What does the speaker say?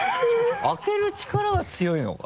開ける力は強いのか？